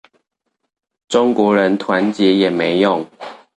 中國人團結也沒用